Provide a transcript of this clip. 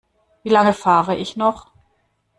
Wie lange fahre ich noch?